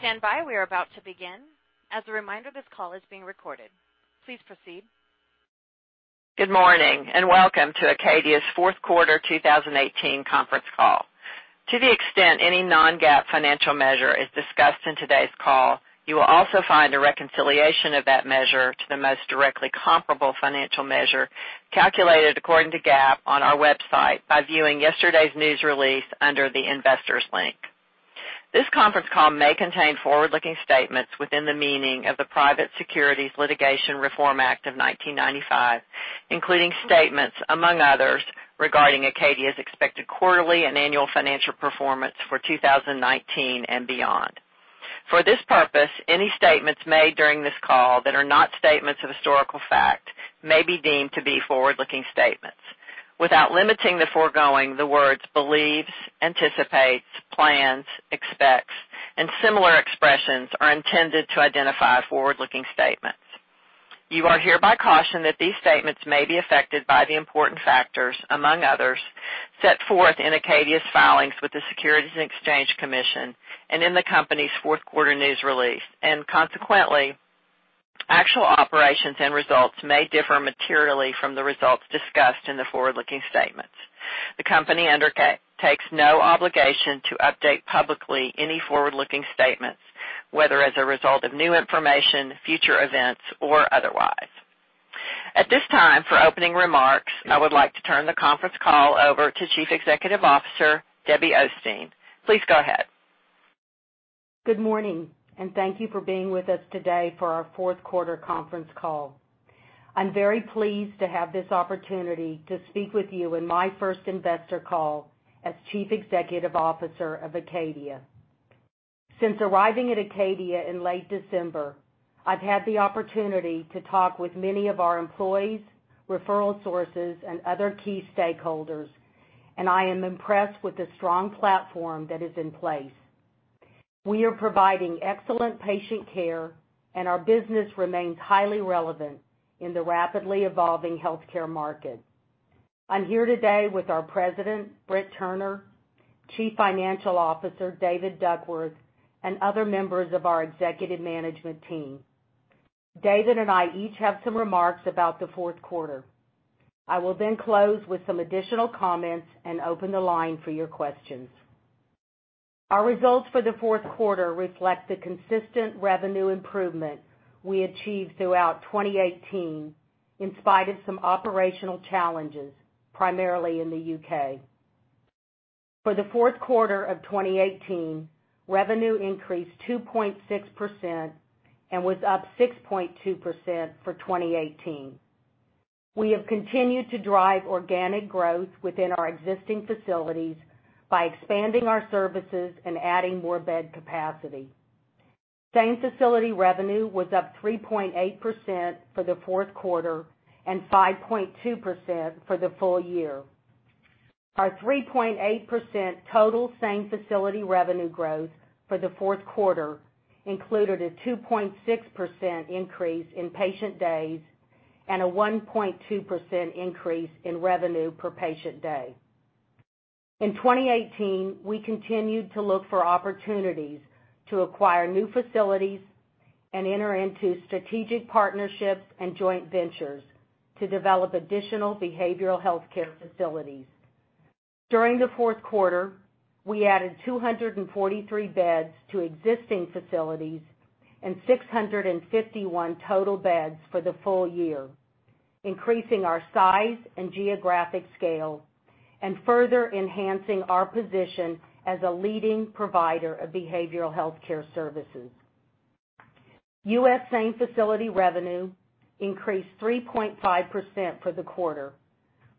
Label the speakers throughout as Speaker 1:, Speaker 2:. Speaker 1: Please stand by. We are about to begin. As a reminder, this call is being recorded. Please proceed.
Speaker 2: Good morning, welcome to Acadia's fourth quarter 2018 conference call. To the extent any non-GAAP financial measure is discussed in today's call, you will also find a reconciliation of that measure to the most directly comparable financial measure calculated according to GAAP on our website by viewing yesterday's news release under the Investors link. This conference call may contain forward-looking statements within the meaning of the Private Securities Litigation Reform Act of 1995, including statements, among others, regarding Acadia's expected quarterly and annual financial performance for 2019 and beyond. For this purpose, any statements made during this call that are not statements of historical fact may be deemed to be forward-looking statements. Without limiting the foregoing, the words believes, anticipates, plans, expects, and similar expressions are intended to identify forward-looking statements. You are hereby cautioned that these statements may be affected by the important factors, among others, set forth in Acadia's filings with the Securities and Exchange Commission, and in the company's fourth quarter news release. Consequently, actual operations and results may differ materially from the results discussed in the forward-looking statements. The company undertakes no obligation to update publicly any forward-looking statements, whether as a result of new information, future events, or otherwise. At this time, for opening remarks, I would like to turn the conference call over to Chief Executive Officer, Debbie Osteen. Please go ahead.
Speaker 3: Good morning, thank you for being with us today for our fourth quarter conference call. I'm very pleased to have this opportunity to speak with you in my first investor call as Chief Executive Officer of Acadia. Since arriving at Acadia in late December, I've had the opportunity to talk with many of our employees, referral sources, and other key stakeholders, and I am impressed with the strong platform that is in place. We are providing excellent patient care, and our business remains highly relevant in the rapidly evolving healthcare market. I'm here today with our President, Brent Turner, Chief Financial Officer, David Duckworth, and other members of our executive management team. David and I each have some remarks about the fourth quarter. I will close with some additional comments and open the line for your questions. Our results for the fourth quarter reflect the consistent revenue improvement we achieved throughout 2018, in spite of some operational challenges, primarily in the U.K. For the fourth quarter of 2018, revenue increased 2.6% and was up 6.2% for 2018. We have continued to drive organic growth within our existing facilities by expanding our services and adding more bed capacity. Same-facility revenue was up 3.8% for the fourth quarter and 5.2% for the full year. Our 3.8% total same-facility revenue growth for the fourth quarter included a 2.6% increase in patient days and a 1.2% increase in revenue per patient day. In 2018, we continued to look for opportunities to acquire new facilities and enter into strategic partnerships and joint ventures to develop additional behavioral healthcare facilities. During the fourth quarter, we added 243 beds to existing facilities and 651 total beds for the full year, increasing our size and geographic scale and further enhancing our position as a leading provider of behavioral healthcare services. U.S. same-facility revenue increased 3.5% for the quarter,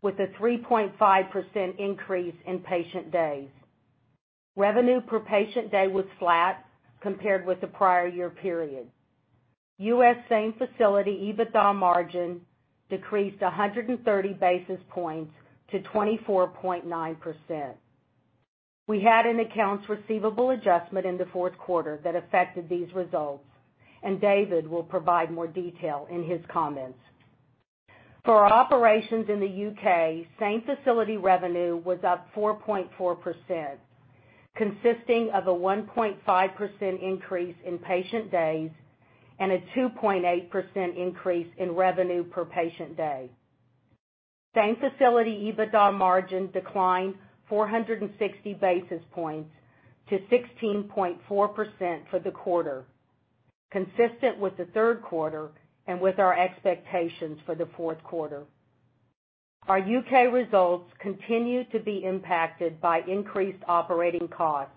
Speaker 3: with a 3.5% increase in patient days. Revenue per patient day was flat compared with the prior year period. U.S. same-facility EBITDA margin decreased 130 basis points to 24.9%. We had an accounts receivable adjustment in the fourth quarter that affected these results, and David will provide more detail in his comments. For our operations in the U.K., same-facility revenue was up 4.4%, consisting of a 1.5% increase in patient days and a 2.8% increase in revenue per patient day. Same-facility EBITDA margin declined 460 basis points to 16.4% for the quarter, consistent with the third quarter and with our expectations for the fourth quarter. Our U.K. results continue to be impacted by increased operating costs,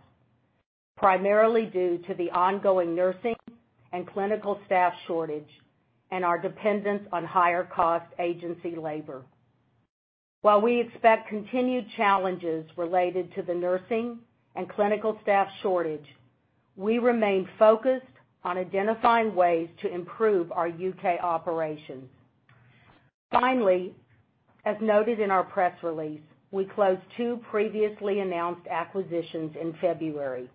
Speaker 3: primarily due to the ongoing nursing and clinical staff shortage and our dependence on higher-cost agency labor. While we expect continued challenges related to the nursing and clinical staff shortage, we remain focused on identifying ways to improve our U.K. operations. Finally, as noted in our press release, we closed two previously announced acquisitions in February: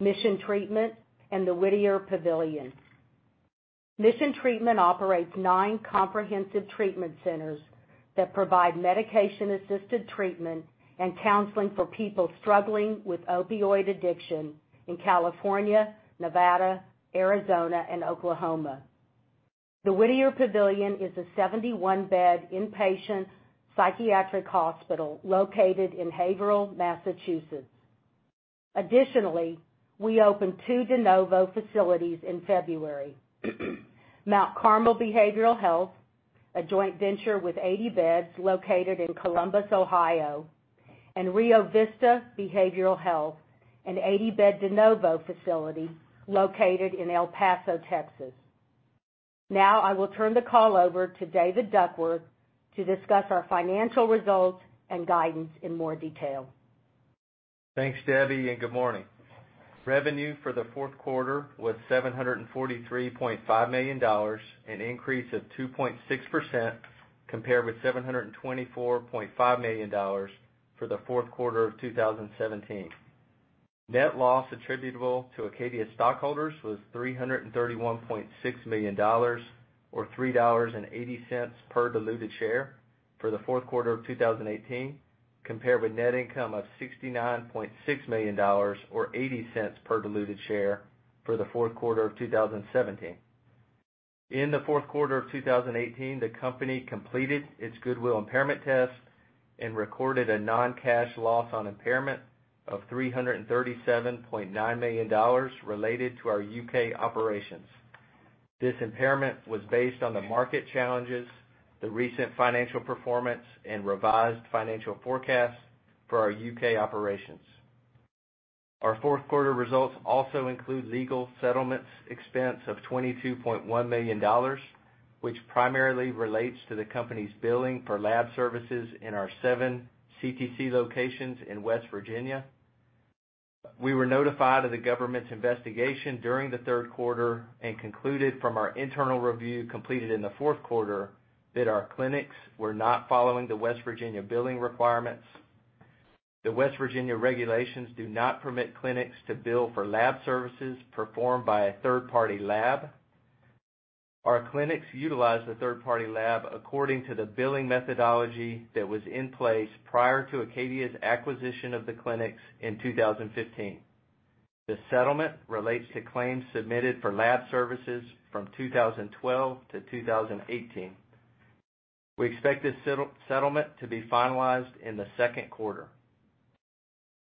Speaker 3: Mission Treatment and The Whittier Pavilion. Mission Treatment operates nine comprehensive treatment centers that provide medication-assisted treatment and counseling for people struggling with opioid addiction in California, Nevada, Arizona, and Oklahoma. The Whittier Pavilion is a 71-bed inpatient psychiatric hospital located in Haverhill, Massachusetts. Additionally, we opened two de novo facilities in February. Mount Carmel Behavioral Health, a joint venture with 80 beds located in Columbus, Ohio, and Rio Vista Behavioral Health, an 80-bed de novo facility located in El Paso, Texas. I will turn the call over to David Duckworth to discuss our financial results and guidance in more detail.
Speaker 4: Thanks, Debbie, and good morning. Revenue for the fourth quarter was $743.5 million, an increase of 2.6% compared with $724.5 million for the fourth quarter of 2017. Net loss attributable to Acadia stockholders was $331.6 million or $3.80 per diluted share for the fourth quarter of 2018, compared with net income of $69.6 million or $0.80 per diluted share for the fourth quarter of 2017. In the fourth quarter of 2018, the company completed its goodwill impairment test and recorded a non-cash loss on impairment of $337.9 million related to our U.K. operations. This impairment was based on the market challenges, the recent financial performance, and revised financial forecasts for our U.K. operations. Our fourth quarter results also include legal settlements expense of $22.1 million, which primarily relates to the company's billing for lab services in our seven CTC locations in West Virginia. We were notified of the government's investigation during the third quarter and concluded from our internal review, completed in the fourth quarter, that our clinics were not following the West Virginia billing requirements. The West Virginia regulations do not permit clinics to bill for lab services performed by a third-party lab. Our clinics utilized the third-party lab according to the billing methodology that was in place prior to Acadia's acquisition of the clinics in 2015. The settlement relates to claims submitted for lab services from 2012 to 2018. We expect this settlement to be finalized in the second quarter.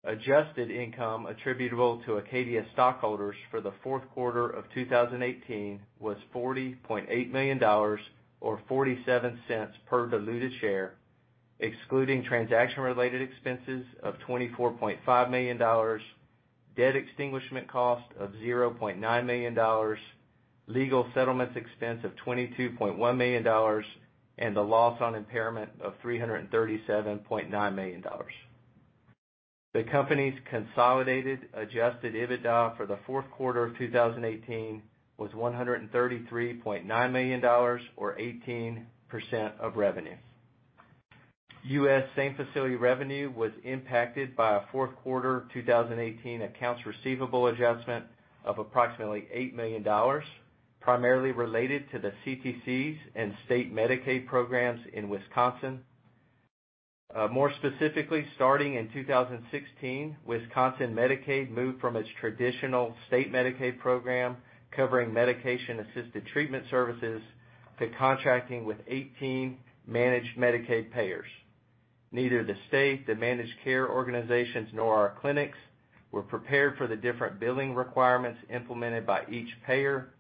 Speaker 4: Adjusted income attributable to Acadia stockholders for the fourth quarter of 2018 was $40.8 million or $0.47 per diluted share, excluding transaction-related expenses of $24.5 million, debt extinguishment cost of $0.9 million, legal settlements expense of $22.1 million, and a loss on impairment of $337.9 million. The company's consolidated adjusted EBITDA for the fourth quarter of 2018 was $133.9 million or 18% of revenue. U.S. same-facility revenue was impacted by a fourth quarter 2018 accounts receivable adjustment of approximately $8 million, primarily related to the CTCs and state Medicaid programs in Wisconsin. More specifically, starting in 2016, Wisconsin Medicaid moved from its traditional state Medicaid program covering medication-assisted treatment services to contracting with 18 Managed Medicaid payers. Neither the state, the managed care organizations, nor our clinics were prepared for the different billing requirements implemented by each payer.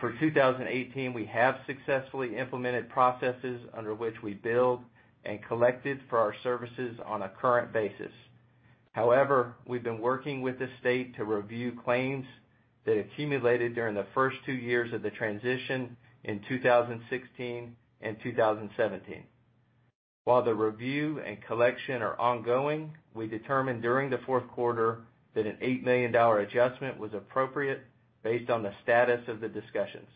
Speaker 4: For 2018, we have successfully implemented processes under which we bill and collected for our services on a current basis. However, we've been working with the state to review claims that accumulated during the first two years of the transition in 2016 and 2017. While the review and collection are ongoing, we determined during the fourth quarter that an $8 million adjustment was appropriate based on the status of the discussions.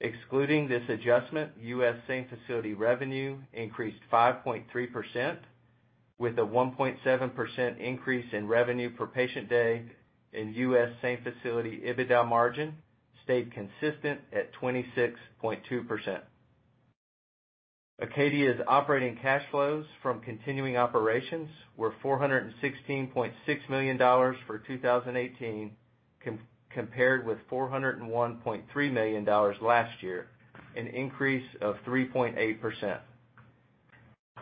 Speaker 4: Excluding this adjustment, U.S. same-facility revenue increased 5.3% with a 1.7% increase in revenue per patient day, and U.S. same-facility EBITDA margin stayed consistent at 26.2%. Acadia's operating cash flows from continuing operations were $416.6 million for 2018, compared with $401.3 million last year, an increase of 3.8%.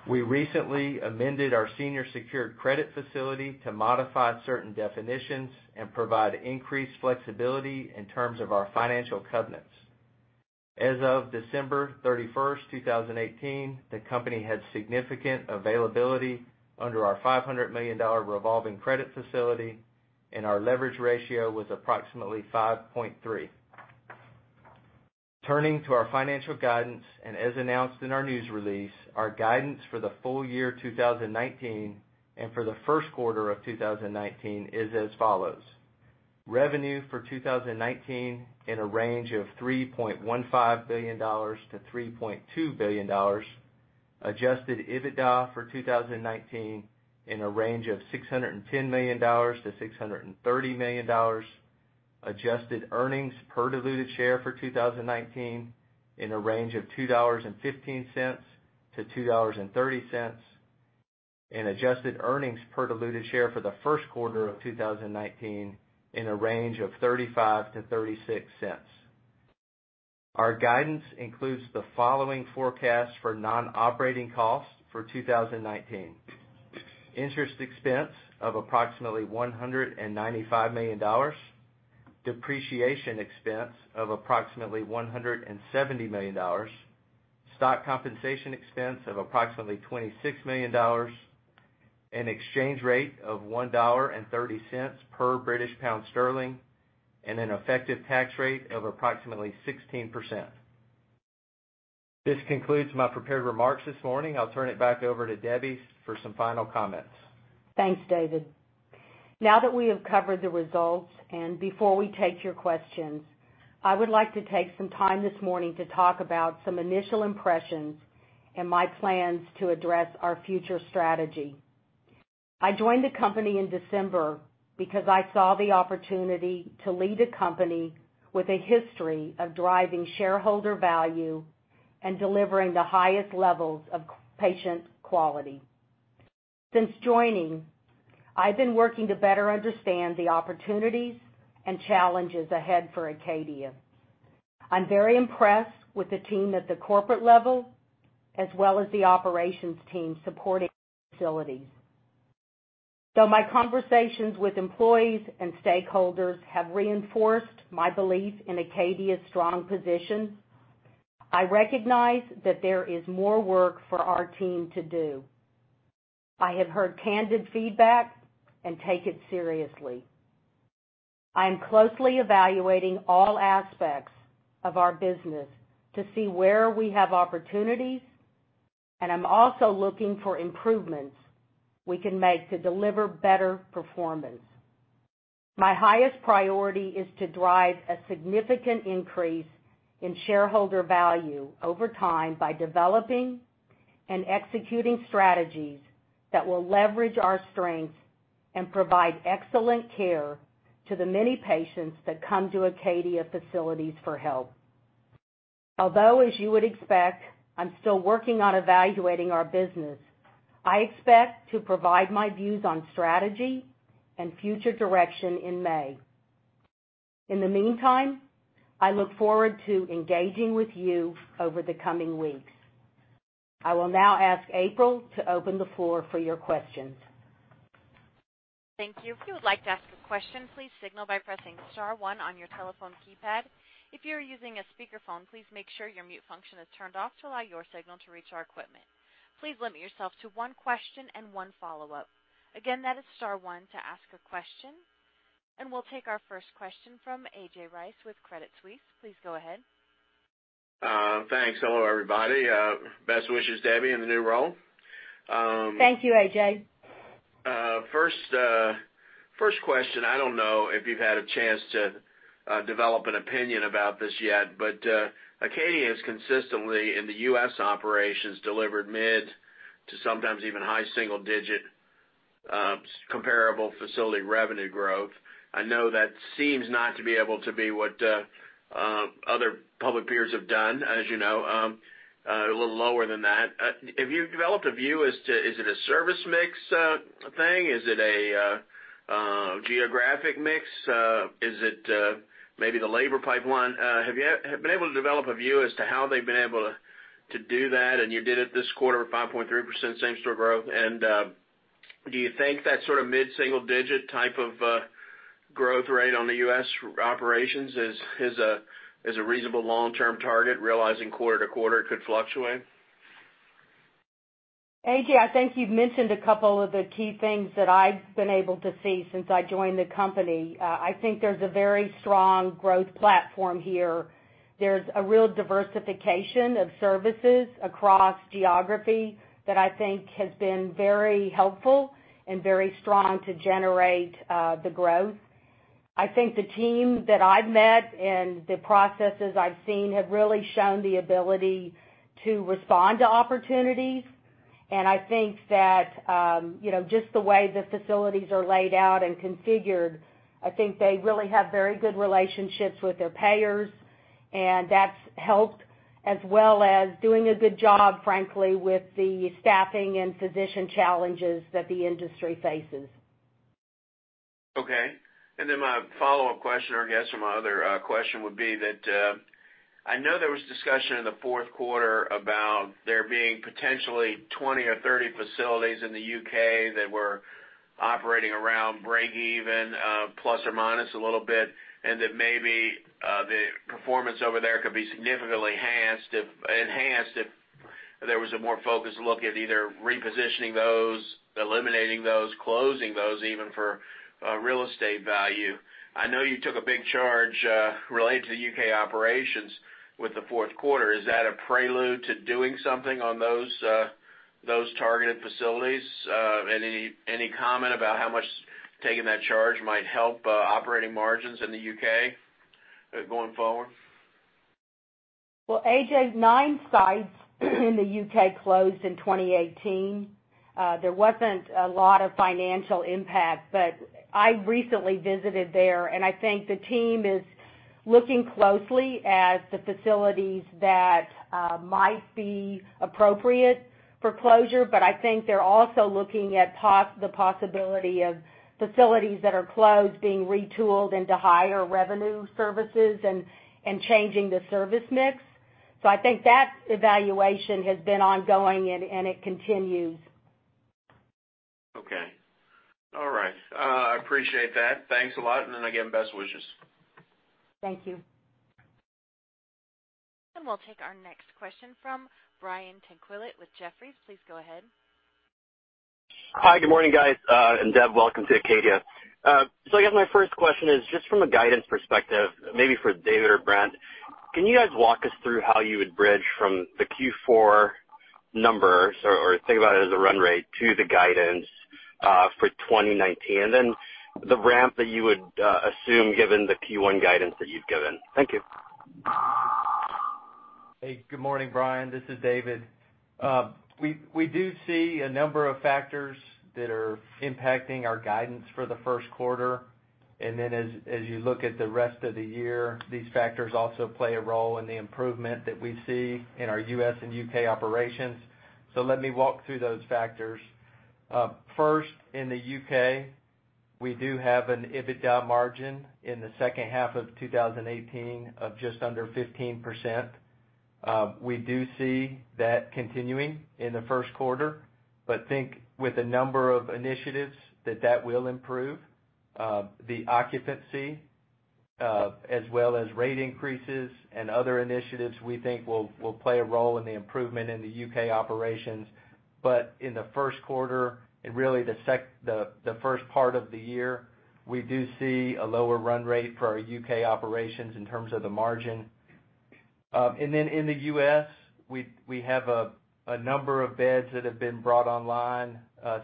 Speaker 4: We recently amended our senior secured credit facility to modify certain definitions and provide increased flexibility in terms of our financial covenants. As of December 31st, 2018, the company had significant availability under our $500 million revolving credit facility, and our leverage ratio was approximately 5.3. Turning to our financial guidance, as announced in our news release, our guidance for the full year 2019 and for the first quarter of 2019 is as follows. Revenue for 2019 in a range of $3.15 billion-$3.2 billion. Adjusted EBITDA for 2019 in a range of $610 million-$630 million, adjusted earnings per diluted share for 2019 in a range of $2.15-$2.30, and adjusted earnings per diluted share for the first quarter of 2019 in a range of $0.35-$0.36. Our guidance includes the following forecast for non-operating costs for 2019: interest expense of approximately $195 million, depreciation expense of approximately $170 million, stock compensation expense of approximately $26 million, an exchange rate of $1.30 per GBP, and an effective tax rate of approximately 16%. This concludes my prepared remarks this morning. I'll turn it back over to Debbie for some final comments.
Speaker 3: Thanks, David. Before we take your questions, I would like to take some time this morning to talk about some initial impressions and my plans to address our future strategy. I joined the company in December because I saw the opportunity to lead a company with a history of driving shareholder value and delivering the highest levels of patient quality. Since joining, I've been working to better understand the opportunities and challenges ahead for Acadia. I'm very impressed with the team at the corporate level, as well as the operations team supporting the facilities. Though my conversations with employees and stakeholders have reinforced my belief in Acadia's strong position, I recognize that there is more work for our team to do. I have heard candid feedback and take it seriously. I am closely evaluating all aspects of our business to see where we have opportunities. I'm also looking for improvements we can make to deliver better performance. My highest priority is to drive a significant increase in shareholder value over time by developing and executing strategies that will leverage our strengths and provide excellent care to the many patients that come to Acadia facilities for help. Although, as you would expect, I'm still working on evaluating our business, I expect to provide my views on strategy and future direction in May. In the meantime, I look forward to engaging with you over the coming weeks. I will now ask April to open the floor for your questions.
Speaker 1: Thank you. If you would like to ask a question, please signal by pressing star one on your telephone keypad. If you are using a speakerphone, please make sure your mute function is turned off to allow your signal to reach our equipment. Please limit yourself to one question and one follow-up. Again, that is star one to ask a question. We'll take our first question from A.J. Rice with Credit Suisse. Please go ahead.
Speaker 5: Thanks. Hello, everybody. Best wishes, Debbie, in the new role.
Speaker 3: Thank you, AJ.
Speaker 5: First question. I don't know if you've had a chance to develop an opinion about this yet, but Acadia has consistently, in the U.S. operations, delivered mid- to sometimes even high single-digit comparable facility revenue growth. I know that seems not to be able to be what other public peers have done, as you know, a little lower than that. Have you developed a view as to, is it a service mix thing? Is it a geographic mix? Is it maybe the labor pipeline? Have you been able to develop a view as to how they've been able to do that, and you did it this quarter with 5.3% same-store growth, and do you think that sort of mid-single digit type of growth rate on the U.S. operations is a reasonable long-term target, realizing quarter-to-quarter it could fluctuate?
Speaker 3: AJ, I think you've mentioned a couple of the key things that I've been able to see since I joined the company. I think there's a very strong growth platform here. There's a real diversification of services across geography that I think has been very helpful and very strong to generate the growth. I think the team that I've met and the processes I've seen have really shown the ability to respond to opportunities, and I think that just the way the facilities are laid out and configured, I think they really have very good relationships with their payers, and that's helped, as well as doing a good job, frankly, with the staffing and physician challenges that the industry faces.
Speaker 5: Then my follow-up question, or I guess my other question would be that I know there was discussion in the fourth quarter about there being potentially 20 or 30 facilities in the U.K. that were operating around break even, plus or minus a little bit, and that maybe the performance over there could be significantly enhanced if there was a more focused look at either repositioning those, eliminating those, closing those even, for real estate value. I know you took a big charge related to the U.K. operations with the fourth quarter. Is that a prelude to doing something on those targeted facilities? Any comment about how much taking that charge might help operating margins in the U.K.?
Speaker 6: Going forward?
Speaker 3: Well, A.J.'s nine sites in the U.K. closed in 2018. There wasn't a lot of financial impact, I recently visited there, and I think the team is looking closely at the facilities that might be appropriate for closure. I think they're also looking at the possibility of facilities that are closed being retooled into higher revenue services and changing the service mix. I think that evaluation has been ongoing and it continues.
Speaker 5: Okay. All right. I appreciate that. Thanks a lot. Again, best wishes.
Speaker 3: Thank you.
Speaker 1: We'll take our next question from Brian Tanquilut with Jefferies. Please go ahead.
Speaker 7: Hi. Good morning, guys. Deb, welcome to Acadia. I guess my first question is just from a guidance perspective, maybe for David or Brent, can you guys walk us through how you would bridge from the Q4 numbers, or think about it as a run rate to the guidance for 2019, then the ramp that you would assume given the Q1 guidance that you've given? Thank you.
Speaker 4: Hey, good morning, Brian. This is David. We do see a number of factors that are impacting our guidance for the first quarter. As you look at the rest of the year, these factors also play a role in the improvement that we see in our U.S. and U.K. operations. Let me walk through those factors. First, in the U.K., we do have an EBITDA margin in the second half of 2018 of just under 15%. We do see that continuing in the first quarter, but think with a number of initiatives that will improve. The occupancy, as well as rate increases and other initiatives we think will play a role in the improvement in the U.K. operations. In the first quarter, and really the first part of the year, we do see a lower run rate for our U.K. operations in terms of the margin. In the U.S., we have a number of beds that have been brought online,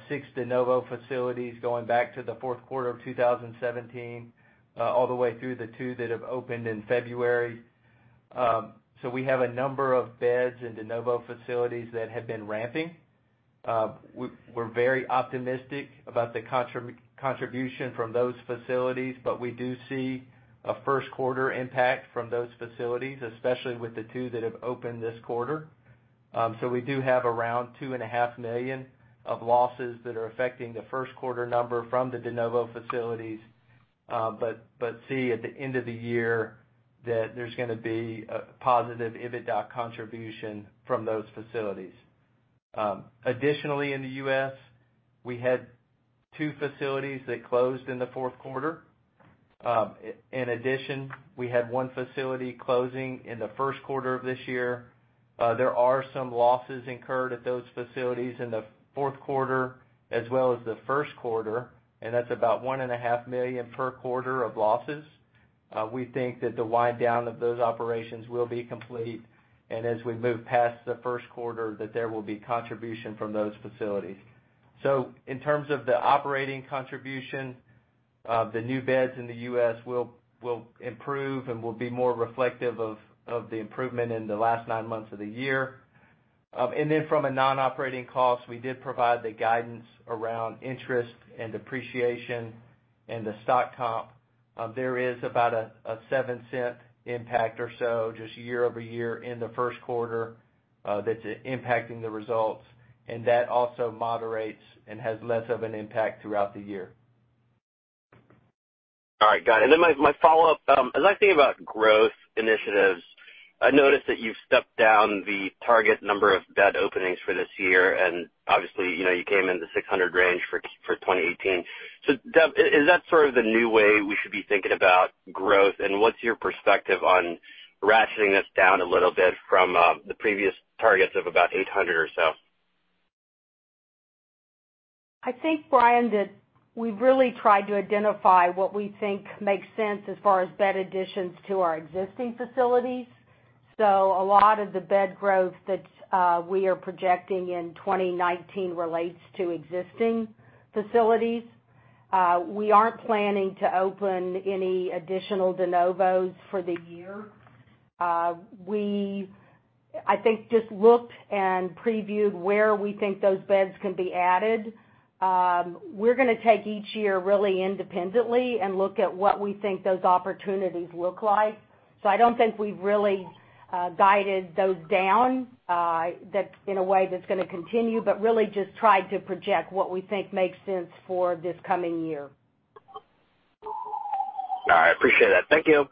Speaker 4: six de novo facilities going back to the fourth quarter of 2017, all the way through the two that have opened in February. We have a number of beds in de novo facilities that have been ramping. We're very optimistic about the contribution from those facilities, but we do see a first quarter impact from those facilities, especially with the two that have opened this quarter. We do have around $2.5 million of losses that are affecting the first quarter number from the de novo facilities. See at the end of the year that there's going to be a positive EBITDA contribution from those facilities. Additionally, in the U.S., we had two facilities that closed in the fourth quarter. In addition, we had one facility closing in the first quarter of this year. There are some losses incurred at those facilities in the fourth quarter as well as the first quarter, and that's about $1.5 million per quarter of losses. We think that the wind down of those operations will be complete, and as we move past the first quarter, that there will be contribution from those facilities. In terms of the operating contribution, the new beds in the U.S. will improve and will be more reflective of the improvement in the last nine months of the year. From a non-operating cost, we did provide the guidance around interest and depreciation and the stock comp. There is about a $0.07 impact or so just year-over-year in the first quarter, that's impacting the results, and that also moderates and has less of an impact throughout the year.
Speaker 7: All right, got it. My follow-up, as I think about growth initiatives, I noticed that you've stepped down the target number of bed openings for this year, and obviously, you came in the 600 range for 2018. Deb, is that sort of the new way we should be thinking about growth? What's your perspective on ratcheting this down a little bit from the previous targets of about 800 or so?
Speaker 3: I think, Brian, that we've really tried to identify what we think makes sense as far as bed additions to our existing facilities. A lot of the bed growth that we are projecting in 2019 relates to existing facilities. We aren't planning to open any additional de novos for the year. We, I think, just looked and previewed where we think those beds can be added. We're going to take each year really independently and look at what we think those opportunities look like. I don't think we've really guided those down, in a way that's going to continue, but really just tried to project what we think makes sense for this coming year.
Speaker 7: All right. Appreciate it. Thank you.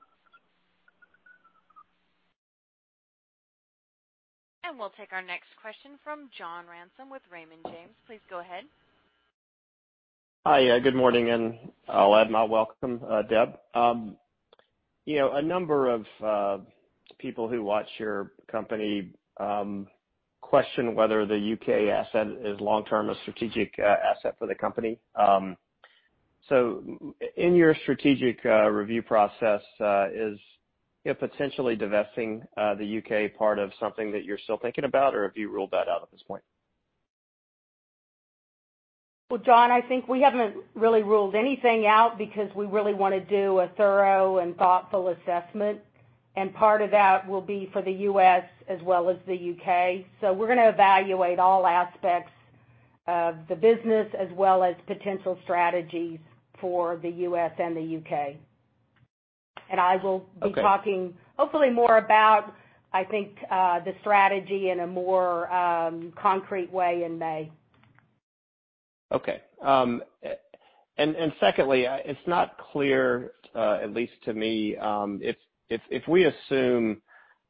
Speaker 1: We'll take our next question from John Ransom with Raymond James. Please go ahead.
Speaker 8: Hi. Good morning, and I'll add my welcome, Deb. A number of people who watch your company question whether the U.K. asset is long-term a strategic asset for the company. In your strategic review process, is potentially divesting the U.K. part of something that you're still thinking about, or have you ruled that out at this point?
Speaker 3: Well, John, I think we haven't really ruled anything out because we really want to do a thorough and thoughtful assessment, and part of that will be for the U.S. as well as the U.K. We're going to evaluate all aspects of the business as well as potential strategies for the U.S. and the U.K. I will.
Speaker 8: Okay
Speaker 3: be talking hopefully more about, I think, the strategy in a more concrete way in May.
Speaker 8: Okay. Secondly, it's not clear, at least to me, if we assume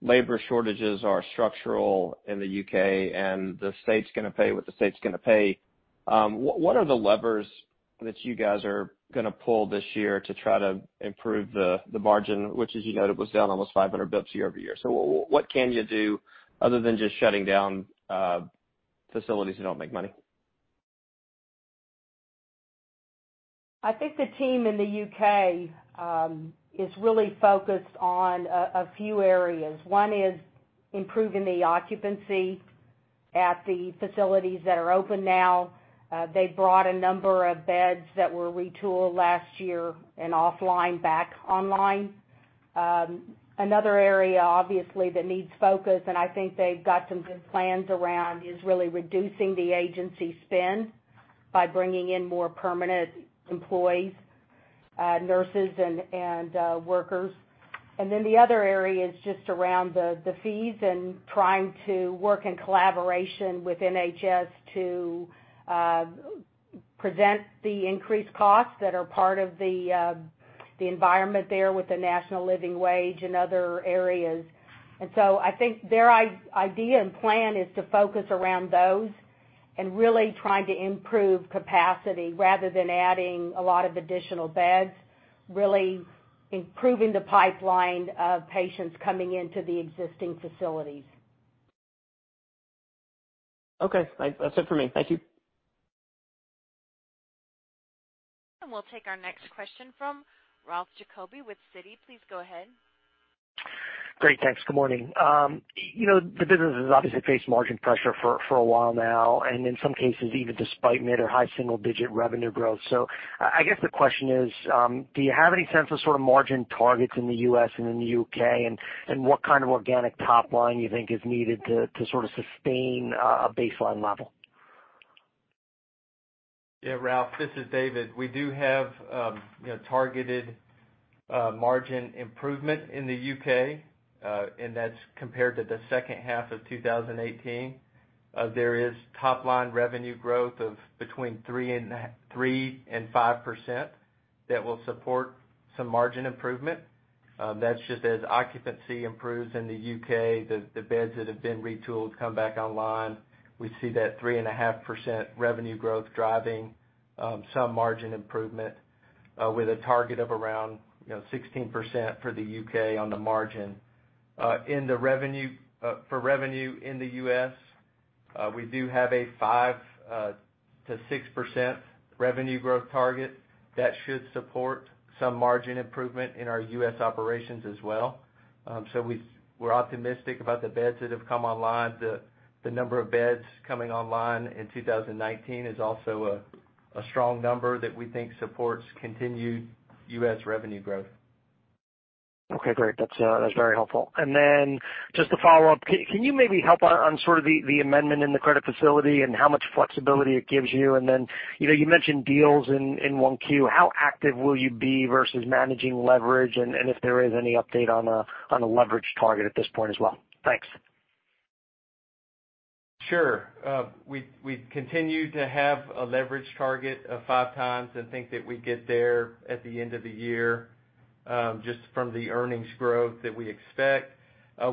Speaker 8: labor shortages are structural in the U.K. and the state's going to pay what the state's going to pay, what are the levers that you guys are going to pull this year to try to improve the margin, which, as you noted, was down almost 500 basis points year-over-year? What can you do other than just shutting down facilities that don't make money?
Speaker 3: I think the team in the U.K. is really focused on a few areas. One is improving the occupancy at the facilities that are open now. They brought a number of beds that were retooled last year and offline back online. Another area, obviously, that needs focus, and I think they've got some good plans around, is really reducing the agency spend by bringing in more permanent employees, nurses, and workers. The other area is just around the fees and trying to work in collaboration with NHS to prevent the increased costs that are part of the environment there with the National Living Wage and other areas. I think their idea and plan is to focus around those and really trying to improve capacity rather than adding a lot of additional beds, really improving the pipeline of patients coming into the existing facilities.
Speaker 8: Okay. That's it for me. Thank you.
Speaker 1: We'll take our next question from Ralph Jacoby with Citi. Please go ahead.
Speaker 9: Great. Thanks. Good morning. The business has obviously faced margin pressure for a while now, and in some cases, even despite mid or high single-digit revenue growth. I guess the question is, do you have any sense of sort of margin targets in the U.S. and in the U.K., and what kind of organic top line you think is needed to sort of sustain a baseline level?
Speaker 4: Yeah, Ralph, this is David. We do have targeted margin improvement in the U.K., and that's compared to the second half of 2018. There is top-line revenue growth of between 3% and 5% that will support some margin improvement. That's just as occupancy improves in the U.K., the beds that have been retooled come back online. We see that 3.5% revenue growth driving some margin improvement with a target of around 16% for the U.K. on the margin. For revenue in the U.S., we do have a 5% to 6% revenue growth target that should support some margin improvement in our U.S. operations as well. We're optimistic about the beds that have come online. The number of beds coming online in 2019 is also a strong number that we think supports continued U.S. revenue growth.
Speaker 9: Okay, great. That's very helpful. Just to follow up, can you maybe help on sort of the amendment in the credit facility and how much flexibility it gives you? You mentioned deals in 1Q. How active will you be versus managing leverage, and if there is any update on a leverage target at this point as well? Thanks.
Speaker 4: Sure. We continue to have a leverage target of 5 times and think that we get there at the end of the year, just from the earnings growth that we expect.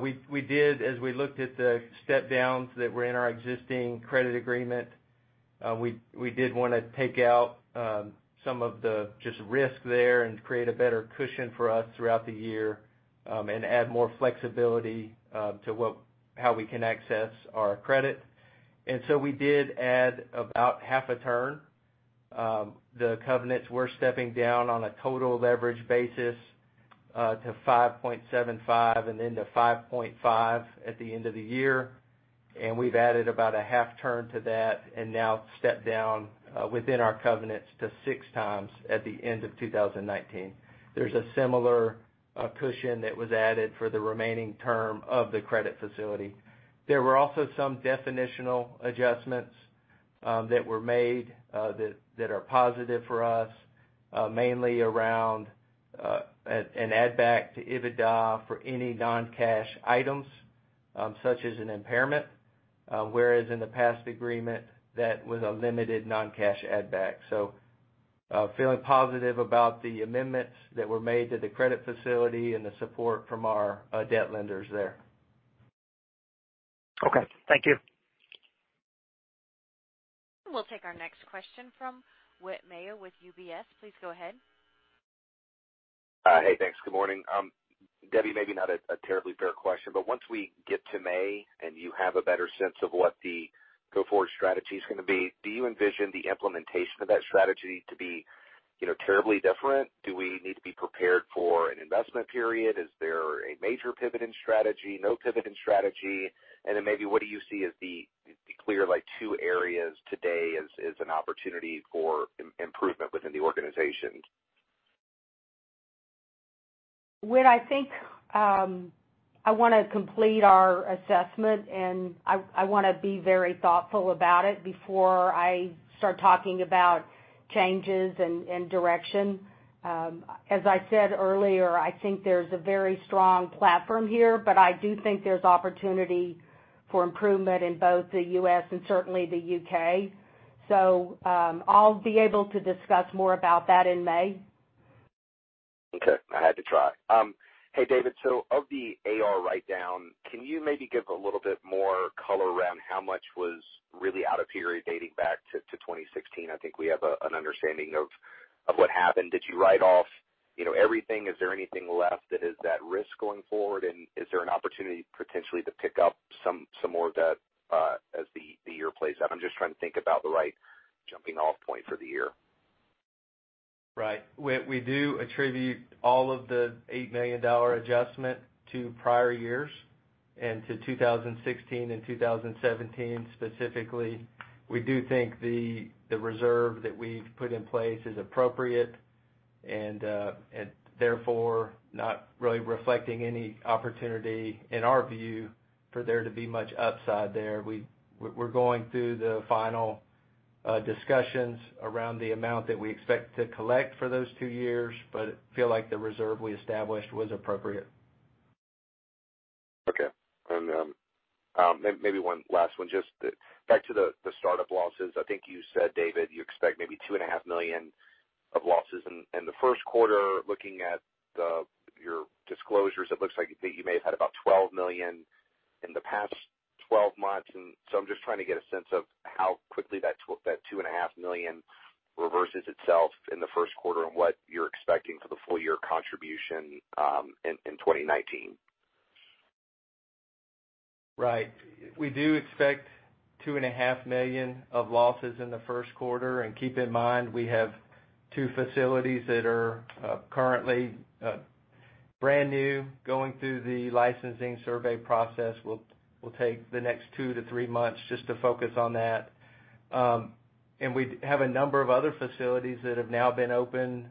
Speaker 4: We did, as we looked at the step downs that were in our existing credit agreement, we did want to take out some of the just risk there and create a better cushion for us throughout the year, and add more flexibility to how we can access our credit. We did add about half a turn. The covenants were stepping down on a total leverage basis to 5.75 and then to 5.5 at the end of the year. We've added about a half turn to that and now stepped down within our covenants to 6 times at the end of 2019. There's a similar cushion that was added for the remaining term of the credit facility. There were also some definitional adjustments that were made that are positive for us, mainly around an add-back to EBITDA for any non-cash items, such as an impairment. Whereas in the past agreement, that was a limited non-cash add back. Feeling positive about the amendments that were made to the credit facility and the support from our debt lenders there.
Speaker 9: Okay. Thank you.
Speaker 1: We'll take our next question from Whit Mayo with UBS. Please go ahead.
Speaker 10: Hey, thanks. Good morning. Debbie, maybe not a terribly fair question, but once we get to May and you have a better sense of what the go-forward strategy is going to be, do you envision the implementation of that strategy to be terribly different? Do we need to be prepared for an investment period? Is there a major pivot in strategy, no pivot in strategy? Then maybe what do you see as the clear two areas today as an opportunity for improvement within the organization?
Speaker 3: Whit, I think I want to complete our assessment, and I want to be very thoughtful about it before I start talking about changes and direction. As I said earlier, I think there's a very strong platform here, but I do think there's opportunity for improvement in both the U.S. and certainly the U.K. I'll be able to discuss more about that in May.
Speaker 10: Okay. I had to try. Hey, David, of the AR write-down, can you maybe give a little bit more color around how much was really out of period dating back to 2016? I think we have an understanding of what happened. Did you write off everything? Is there anything left that is at risk going forward? Is there an opportunity potentially to pick up some more of that as the year plays out? I'm just trying to think about the right jumping off point for the year.
Speaker 4: Right. Whit, we do attribute all of the $8 million adjustment to prior years, and to 2016 and 2017, specifically. We do think the reserve that we've put in place is appropriate, and therefore, not really reflecting any opportunity in our view for there to be much upside there. We're going through the final discussions around the amount that we expect to collect for those two years, but feel like the reserve we established was appropriate.
Speaker 10: Okay. Maybe one last one, just back to the startup losses. I think you said, David, you expect maybe two and a half million of losses in the first quarter. Looking at your disclosures, it looks like you may have had about $12 million in the past 12 months. I'm just trying to get a sense of how quickly that two and a half million reverses itself in the first quarter, and what you're expecting for the full year contribution in 2019.
Speaker 4: Right. We do expect two and a half million of losses in the first quarter. Keep in mind, we have two facilities that are currently brand new, going through the licensing survey process, will take the next two to three months just to focus on that. We have a number of other facilities that have now been open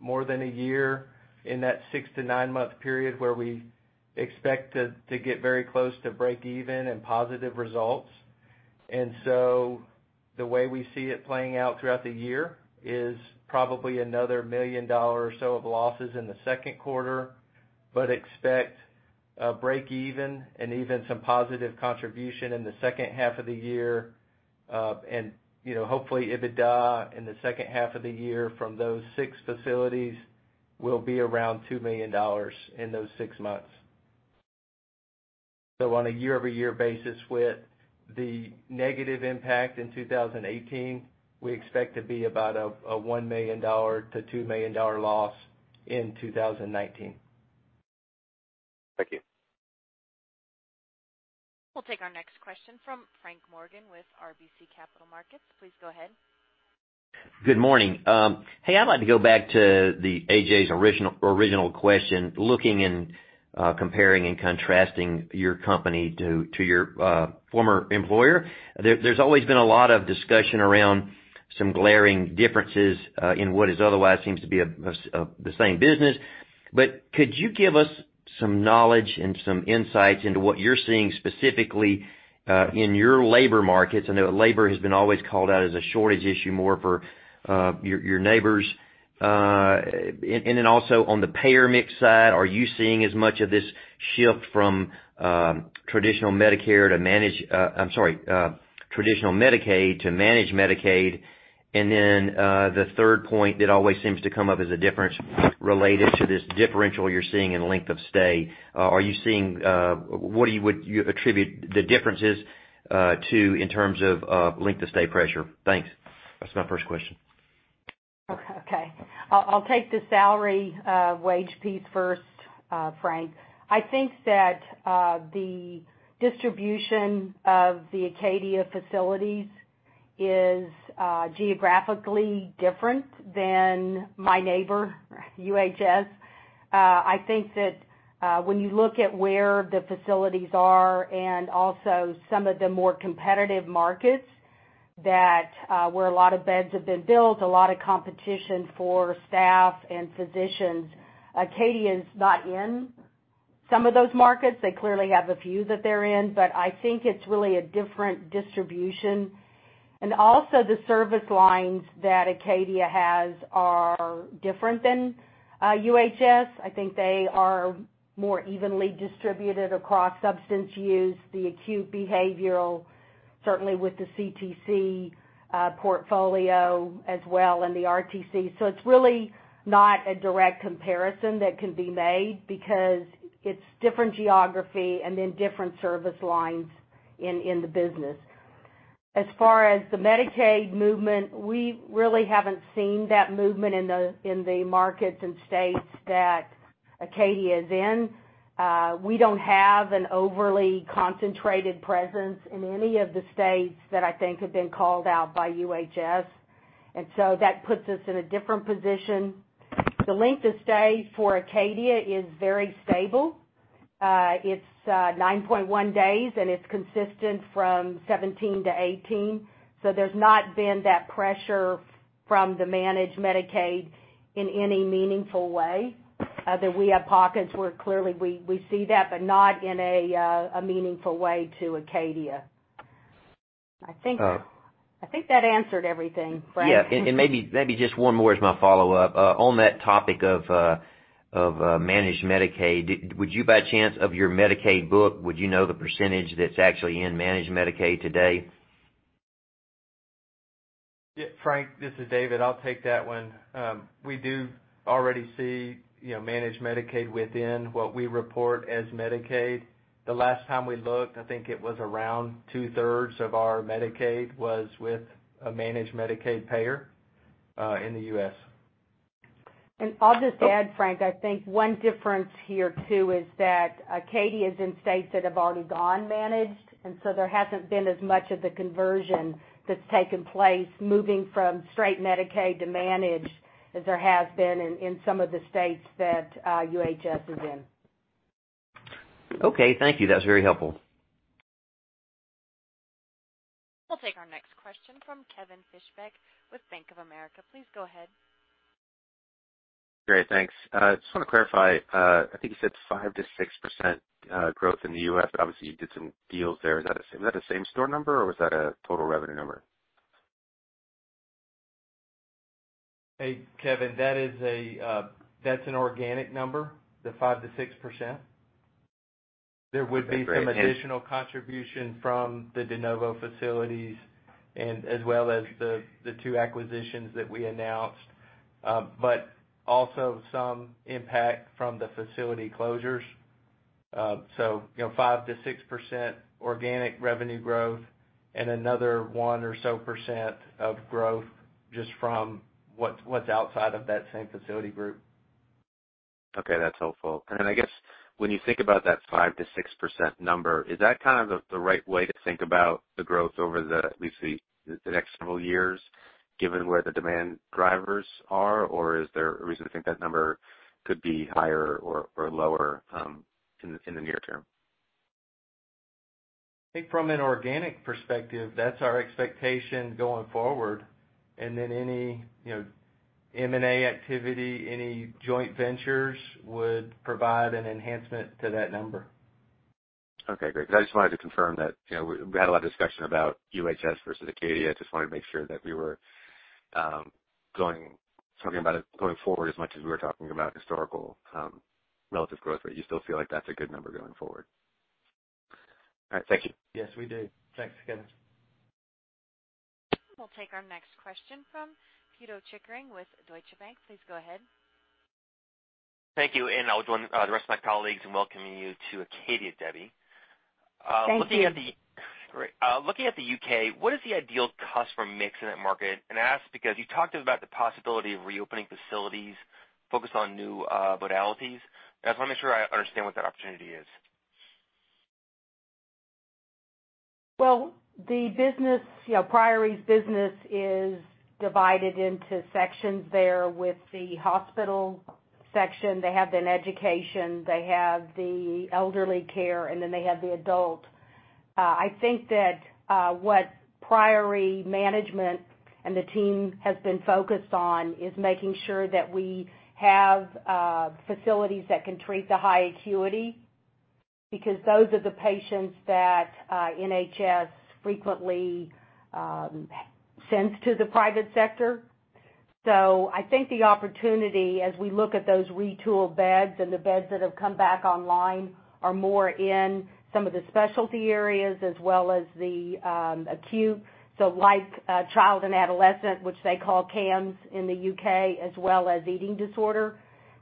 Speaker 4: more than a year in that six to nine-month period where we expect to get very close to breakeven and positive results. The way we see it playing out throughout the year is probably another $1 million or so of losses in the second quarter, but expect a breakeven and even some positive contribution in the second half of the year. Hopefully, EBITDA in the second half of the year from those six facilities will be around $2 million in those six months. on a year-over-year basis, Whit, the negative impact in 2018, we expect to be about a $1 million to $2 million loss in 2019.
Speaker 10: Thank you.
Speaker 1: We'll take our next question from Frank Morgan with RBC Capital Markets. Please go ahead.
Speaker 11: Good morning. I'd like to go back to A.J.'s original question, looking and comparing and contrasting your company to your former employer. There's always been a lot of discussion around some glaring differences, in what is otherwise seems to be the same business. Could you give us some knowledge and some insights into what you're seeing specifically in your labor markets? I know labor has been always called out as a shortage issue more for your neighbors. On the payer mix side, are you seeing as much of this shift from traditional Medicare to traditional Medicaid to Managed Medicaid? The third point that always seems to come up is the difference related to this differential you're seeing in length of stay. What would you attribute the differences to in terms of length of stay pressure? Thanks. That's my first question.
Speaker 3: Okay. I'll take the salary wage piece first, Frank. I think that the distribution of the Acadia facilities is geographically different than my neighbor, UHS. I think that, when you look at where the facilities are and also some of the more competitive markets that where a lot of beds have been built, a lot of competition for staff and physicians, Acadia is not in some of those markets. They clearly have a few that they're in, but I think it's really a different distribution. Also, the service lines that Acadia has are different than UHS. I think they are more evenly distributed across substance use, the acute behavioral, certainly with the CTC portfolio as well, and the RTC. It's really not a direct comparison that can be made because it's different geography and then different service lines in the business. As far as the Medicaid movement, we really haven't seen that movement in the markets and states that Acadia is in. We don't have an overly concentrated presence in any of the states that I think have been called out by UHS. That puts us in a different position. The length of stay for Acadia is very stable. It's 9.1 days, and it's consistent from 2017 to 2018. There's not been that pressure from the Managed Medicaid in any meaningful way. That we have pockets where clearly we see that, but not in a meaningful way to Acadia. I think that answered everything, Frank.
Speaker 11: Yeah. Maybe just one more as my follow-up. On that topic of Managed Medicaid, would you by chance, of your Medicaid book, would you know the percentage that's actually in Managed Medicaid today?
Speaker 4: Yeah, Frank, this is David. I'll take that one. We do already see Managed Medicaid within what we report as Medicaid. The last time we looked, I think it was around two-thirds of our Medicaid was with a Managed Medicaid payer, in the U.S.
Speaker 3: I'll just add, Frank, I think one difference here too is that Acadia is in states that have already gone managed, so there hasn't been as much of the conversion that's taken place, moving from straight Medicaid to managed, as there has been in some of the states that UHS is in.
Speaker 11: Okay, thank you. That was very helpful.
Speaker 1: We'll take our next question from Kevin Fischbeck with Bank of America. Please go ahead.
Speaker 12: Great. Thanks. Just want to clarify, I think you said 5%-6% growth in the U.S., obviously you did some deals there. Is that the same store number, or was that a total revenue number?
Speaker 4: Hey, Kevin. That's an organic number, the 5% to 6%.
Speaker 12: Okay, great.
Speaker 4: additional contribution from the de novo facilities as well as the two acquisitions that we announced, but also some impact from the facility closures. 5%-6% organic revenue growth and another one or so percent of growth just from what's outside of that same facility group.
Speaker 12: Okay, that's helpful. I guess when you think about that 5% to 6% number, is that kind of the right way to think about the growth over at least the next several years, given where the demand drivers are? Is there a reason to think that number could be higher or lower in the near term?
Speaker 4: I think from an organic perspective, that's our expectation going forward. Any M&A activity, any joint ventures would provide an enhancement to that number.
Speaker 12: Okay, great. I just wanted to confirm that, we had a lot of discussion about UHS versus Acadia. I wanted to make sure that we were talking about it going forward as much as we were talking about historical relative growth rate. You still feel like that's a good number going forward? All right, thank you.
Speaker 4: Yes, we do. Thanks, Kevin.
Speaker 1: We'll take our next question from Pito Chickering with Deutsche Bank. Please go ahead.
Speaker 13: Thank you, I will join the rest of my colleagues in welcoming you to Acadia, Debbie.
Speaker 3: Thank you.
Speaker 13: Great. Looking at the U.K., what is the ideal customer mix in that market? I ask because you talked about the possibility of reopening facilities focused on new modalities. I just want to make sure I understand what that opportunity is.
Speaker 3: Well, the business, Priory's business is divided into sections there with the hospital section. They have then education, they have the elderly care, and then they have the adult. I think that what Priory management and the team has been focused on is making sure that we have facilities that can treat the high acuity, because those are the patients that NHS frequently sends to the private sector. I think the opportunity, as we look at those retooled beds and the beds that have come back online, are more in some of the specialty areas as well as the acute. So like child and adolescent, which they call CAMHS in the U.K., as well as eating disorder.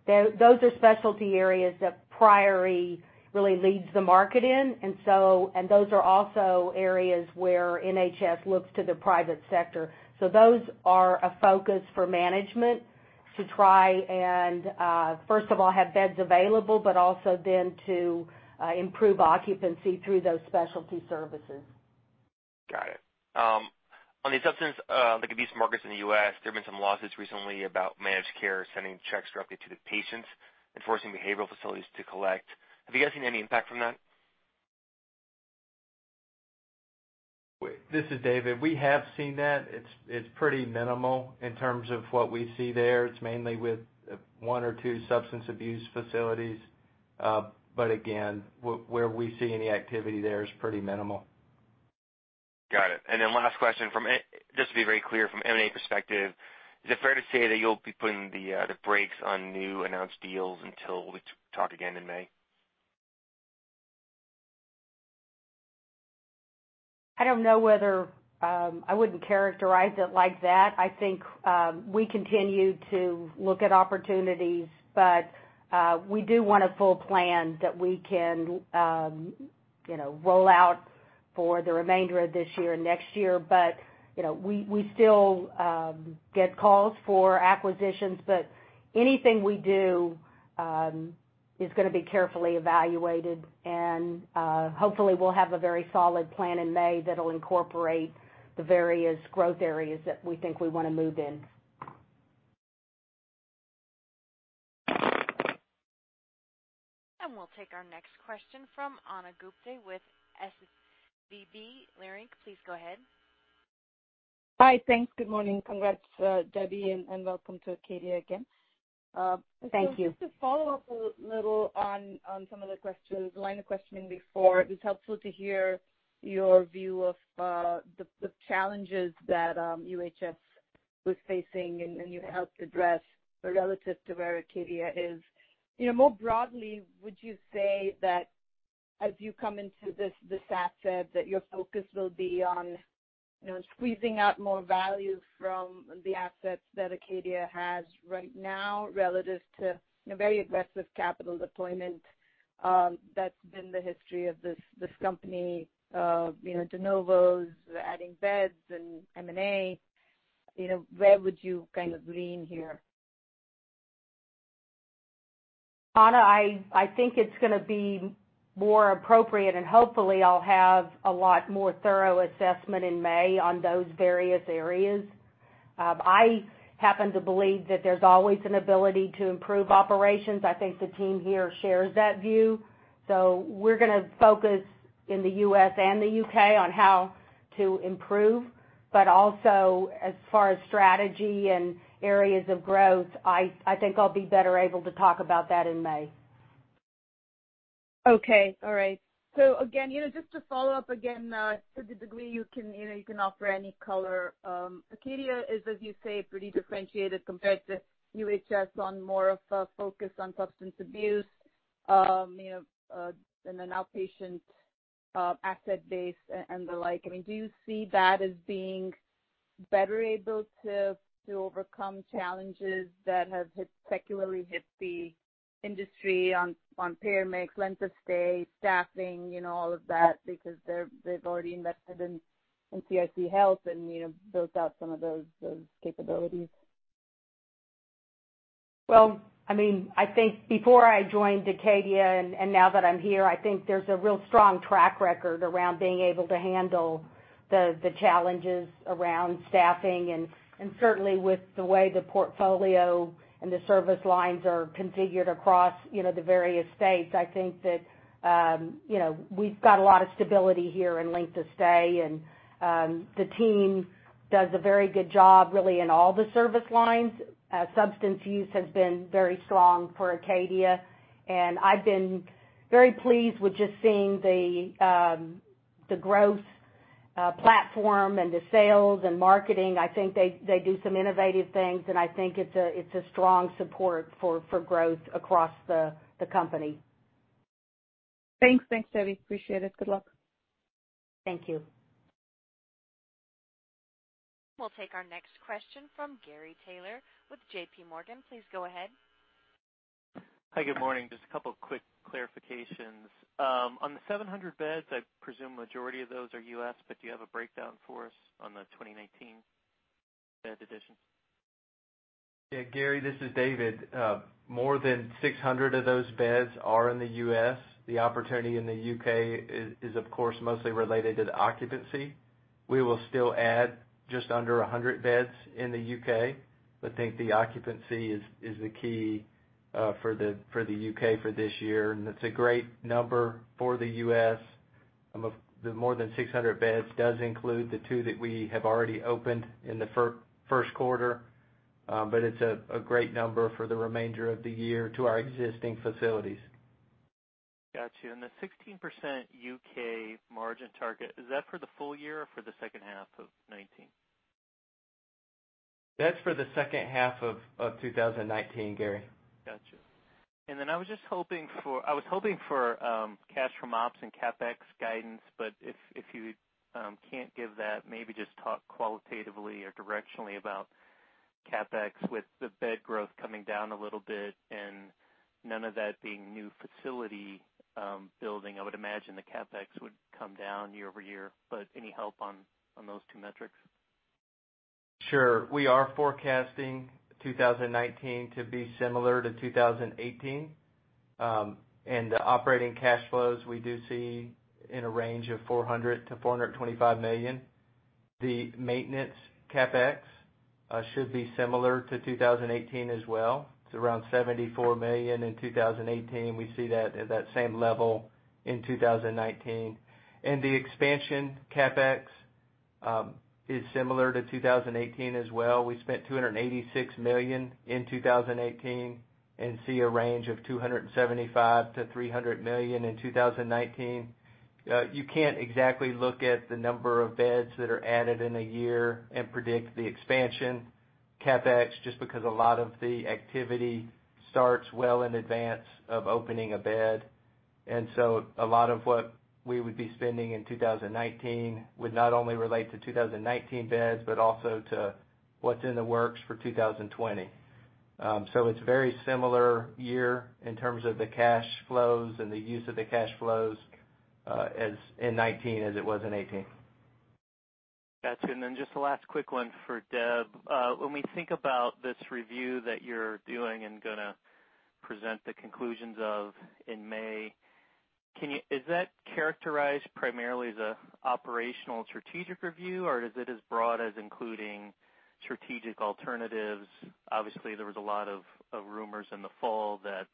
Speaker 3: Those are specialty areas that Priory really leads the market in. Those are also areas where NHS looks to the private sector. Those are a focus for management to try and, first of all, have beds available, but also then to improve occupancy through those specialty services.
Speaker 13: Got it. On the substance abuse markets in the U.S., there have been some lawsuits recently about managed care sending checks directly to the patients and forcing behavioral facilities to collect. Have you guys seen any impact from that?
Speaker 4: This is David. We have seen that. It's pretty minimal in terms of what we see there. It's mainly with one or two substance abuse facilities. Again, where we see any activity there is pretty minimal.
Speaker 13: Got it. Last question, just to be very clear, from M&A perspective, is it fair to say that you'll be putting the brakes on new announced deals until we talk again in May?
Speaker 3: I wouldn't characterize it like that. I think we continue to look at opportunities, we do want a full plan that we can roll out for the remainder of this year and next year. We still get calls for acquisitions, anything we do is going to be carefully evaluated and hopefully we'll have a very solid plan in May that'll incorporate the various growth areas that we think we want to move in.
Speaker 1: We'll take our next question from Ana Gupte with SVB Leerink. Please go ahead.
Speaker 14: Hi. Thanks. Good morning. Congrats, Debbie, and welcome to Acadia again.
Speaker 3: Thank you.
Speaker 14: Just to follow up a little on some of the line of questioning before. It was helpful to hear your view of the challenges that UHS was facing and you helped address relative to where Acadia is. More broadly, would you say that as you come into this asset, that your focus will be on squeezing out more value from the assets that Acadia has right now relative to very aggressive capital deployment that's been the history of this company, de novos, adding beds and M&A? Where would you lean here?
Speaker 3: Ana, I think it's going to be more appropriate, and hopefully I'll have a lot more thorough assessment in May on those various areas. I happen to believe that there's always an ability to improve operations. I think the team here shares that view. We're going to focus in the U.S. and the U.K. on how to improve, but also as far as strategy and areas of growth, I think I'll be better able to talk about that in May.
Speaker 14: Okay. All right. Again, just to follow up again, to the degree you can offer any color. Acadia is, as you say, pretty differentiated compared to UHS on more of a focus on substance abuse, and an outpatient asset base and the like. Do you see that as being better able to overcome challenges that have secularly hit the industry on payor mix, length of stay, staffing, all of that because they've already invested in CRC Health and built out some of those capabilities?
Speaker 3: Well, I think before I joined Acadia and now that I'm here, I think there's a real strong track record around being able to handle the challenges around staffing and certainly with the way the portfolio and the service lines are configured across the various states. I think that we've got a lot of stability here in length of stay and the team does a very good job, really in all the service lines. Substance use has been very strong for Acadia, and I've been very pleased with just seeing the growth platform and the sales and marketing. I think they do some innovative things, and I think it's a strong support for growth across the company.
Speaker 14: Thanks, Debbie. Appreciate it. Good luck.
Speaker 3: Thank you.
Speaker 1: We'll take our next question from Gary Taylor with JPMorgan. Please go ahead.
Speaker 15: Hi, good morning. Just a couple of quick clarifications. On the 700 beds, I presume majority of those are U.S., but do you have a breakdown for us on the 2019 bed addition?
Speaker 4: Gary, this is David. More than 600 of those beds are in the U.S. The opportunity in the U.K. is of course, mostly related to the occupancy. We will still add just under 100 beds in the U.K., but think the occupancy is the key for the U.K. for this year, and it's a great number for the U.S. The more than 600 beds does include the two that we have already opened in the first quarter. It's a great number for the remainder of the year to our existing facilities.
Speaker 15: Got you. The 16% U.K. margin target, is that for the full year or for the second half of 2019?
Speaker 4: That's for the second half of 2019, Gary.
Speaker 15: Got you. I was hoping for cash from ops and CapEx guidance, but if you can't give that, maybe just talk qualitatively or directionally about CapEx with the bed growth coming down a little bit and none of that being new facility building. I would imagine the CapEx would come down year-over-year, any help on those two metrics?
Speaker 4: Sure. We are forecasting 2019 to be similar to 2018. The operating cash flows, we do see in a range of $400 million-$425 million. The maintenance CapEx should be similar to 2018 as well. It's around $74 million in 2018. We see that at that same level in 2019. The expansion CapEx is similar to 2018 as well. We spent $286 million in 2018 and see a range of $275 million-$300 million in 2019. You can't exactly look at the number of beds that are added in a year and predict the expansion CapEx just because a lot of the activity starts well in advance of opening a bed. A lot of what we would be spending in 2019 would not only relate to 2019 beds, but also to what's in the works for 2020.
Speaker 6: It's very similar year in terms of the cash flows and the use of the cash flows in 2019 as it was in 2018.
Speaker 15: Got you. Just the last quick one for Deb. When we think about this review that you're doing and going to present the conclusions of in May, is that characterized primarily as an operational strategic review, or is it as broad as including strategic alternatives? Obviously, there was a lot of rumors in the fall that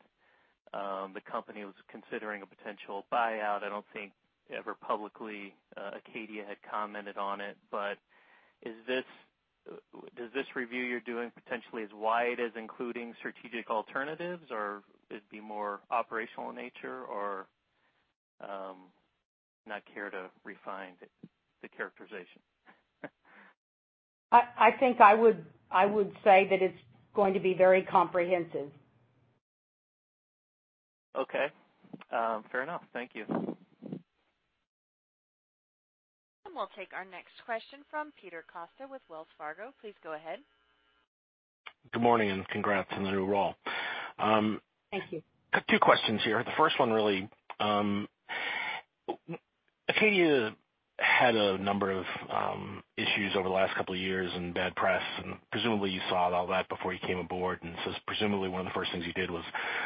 Speaker 15: the company was considering a potential buyout. I don't think ever publicly Acadia had commented on it. Does this review you're doing potentially as wide as including strategic alternatives, or it'd be more operational in nature, or not care to refine the characterization?
Speaker 3: I think I would say that it's going to be very comprehensive.
Speaker 15: Okay. Fair enough. Thank you.
Speaker 1: We'll take our next question from Peter Costa with Wells Fargo. Please go ahead.
Speaker 16: Good morning, and congrats on the new role.
Speaker 3: Thank you.
Speaker 16: Got two questions here. The first one, really, Acadia had a number of issues over the last couple of years and bad press, presumably you saw all that before you came aboard, presumably one of the first things you did was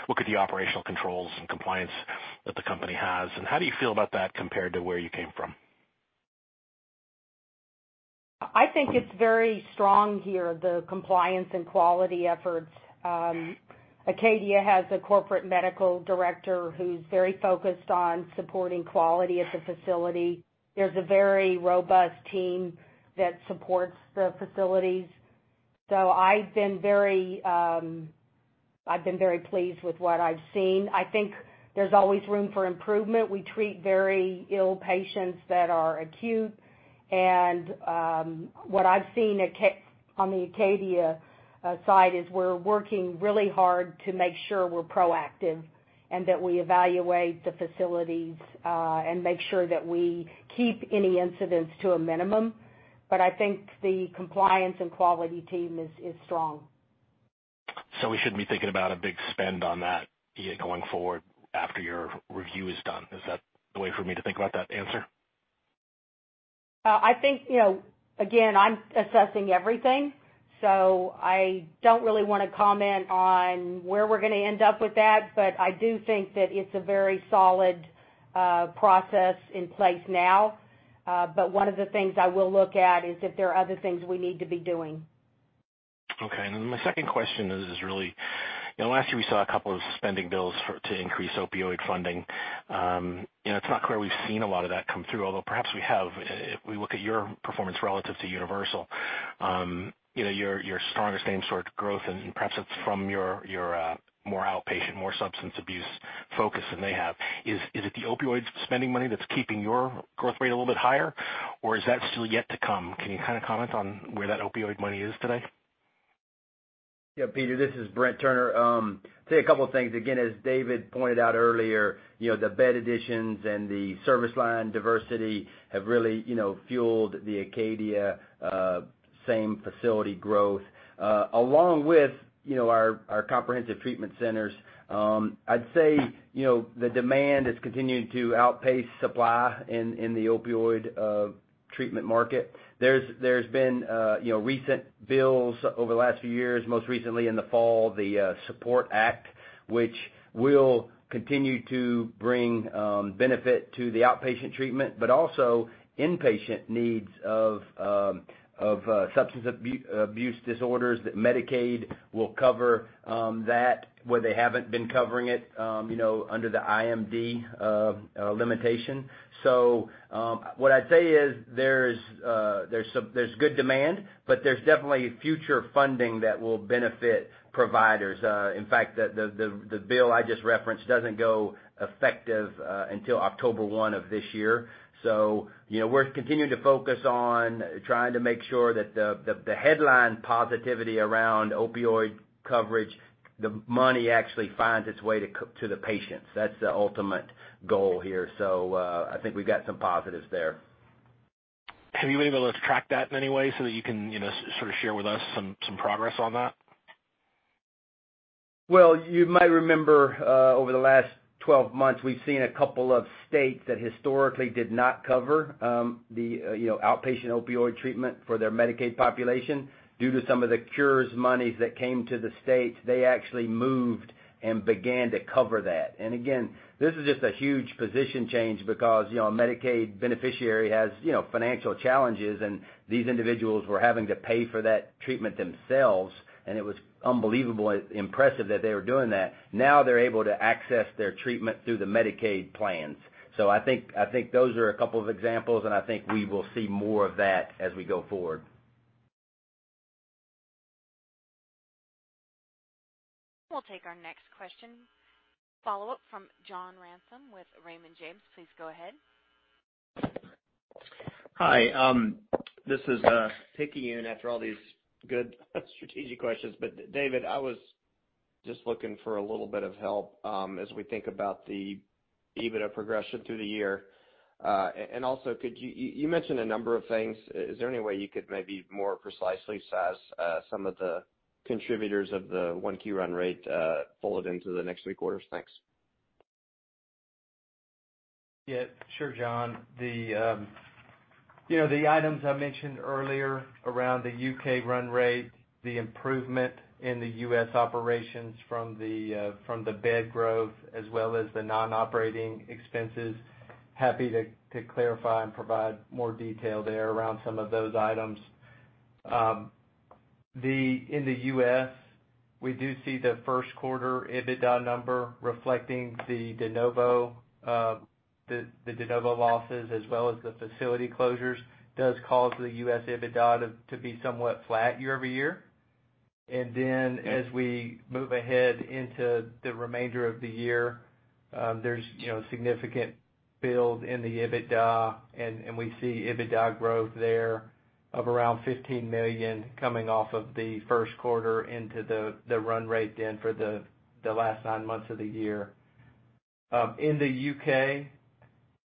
Speaker 16: look at the operational controls and compliance that the company has. How do you feel about that compared to where you came from?
Speaker 3: I think it's very strong here, the compliance and quality efforts. Acadia has a corporate medical director who's very focused on supporting quality at the facility. There's a very robust team that supports the facilities. I've been very pleased with what I've seen. I think there's always room for improvement. We treat very ill patients that are acute, what I've seen on the Acadia side is we're working really hard to make sure we're proactive and that we evaluate the facilities, make sure that we keep any incidents to a minimum. I think the compliance and quality team is strong.
Speaker 16: We shouldn't be thinking about a big spend on that going forward after your review is done. Is that the way for me to think about that answer?
Speaker 3: Again, I'm assessing everything, I don't really want to comment on where we're going to end up with that, I do think that it's a very solid process in place now. One of the things I will look at is if there are other things we need to be doing.
Speaker 16: My second question is really, last year we saw a couple of spending bills to increase opioid funding. It's not clear we've seen a lot of that come through, although perhaps we have. If we look at your performance relative to Universal, your strongest same-store growth and perhaps it's from your more outpatient, more substance abuse focus than they have. Is it the opioid spending money that's keeping your growth rate a little bit higher, or is that still yet to come? Can you comment on where that opioid money is today?
Speaker 6: Yeah, Peter, this is Brent Turner. Say a couple of things. Again, as David pointed out earlier, the bed additions and the service line diversity have really fueled the Acadia same facility growth, along with our comprehensive treatment centers. I'd say, the demand is continuing to outpace supply in the opioid treatment market. There's been recent bills over the last few years, most recently in the fall, the SUPPORT Act, which will continue to bring benefit to the outpatient treatment, but also inpatient needs of substance abuse disorders, that Medicaid will cover that where they haven't been covering it under the IMD limitation. What I'd say is there's good demand, but there's definitely future funding that will benefit providers. In fact, the bill I just referenced doesn't go effective until October one of this year. We're continuing to focus on trying to make sure that the headline positivity around opioid coverage, the money actually finds its way to the patients. That's the ultimate goal here. I think we've got some positives there.
Speaker 16: Have you been able to track that in any way so that you can sort of share with us some progress on that?
Speaker 6: You might remember, over the last 12 months, we've seen a couple of states that historically did not cover the outpatient opioid treatment for their Medicaid population. Due to some of the Cures monies that came to the states, they actually moved and began to cover that. Again, this is just a huge position change because a Medicaid beneficiary has financial challenges, and these individuals were having to pay for that treatment themselves, and it was unbelievably impressive that they were doing that. Now they're able to access their treatment through the Medicaid plans. I think those are a couple of examples, and I think we will see more of that as we go forward.
Speaker 1: We'll take our next question. Follow-up from John Ransom with Raymond James. Please go ahead.
Speaker 8: Hi. This is a picky one after all these good strategic questions. David, just looking for a little bit of help as we think about the EBITDA progression through the year. Also, you mentioned a number of things. Is there any way you could maybe more precisely size some of the contributors of the 1Q run rate folded into the next three quarters? Thanks.
Speaker 4: Yeah. Sure, John. The items I mentioned earlier around the U.K. run rate, the improvement in the U.S. operations from the bed growth as well as the non-operating expenses, happy to clarify and provide more detail there around some of those items. In the U.S., we do see the first quarter EBITDA number reflecting the de novo losses, as well as the facility closures does cause the U.S. EBITDA to be somewhat flat year-over-year. Then as we move ahead into the remainder of the year, there's significant build in the EBITDA, and we see EBITDA growth there of around $15 million coming off of the first quarter into the run rate then for the last nine months of the year. In the U.K.,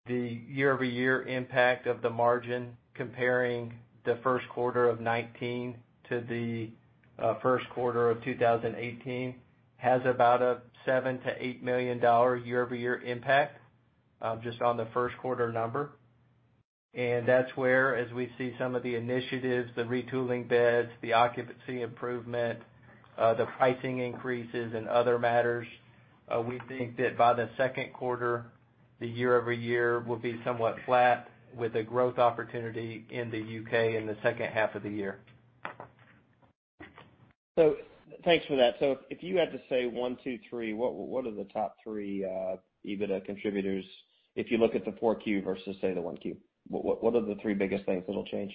Speaker 4: the year-over-year impact of the margin comparing the first quarter of 2019 to the first quarter of 2018 has about a $7 million-$8 million year-over-year impact, just on the first quarter number. That's where, as we see some of the initiatives, the retooling beds, the occupancy improvement, the pricing increases and other matters, we think that by the second quarter, the year-over-year will be somewhat flat with a growth opportunity in the U.K. in the second half of the year.
Speaker 8: Thanks for that. If you had to say one, two, three, what are the top three EBITDA contributors if you look at the four Q versus, say, the one Q? What are the three biggest things that'll change?